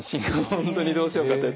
本当にどうしようかって。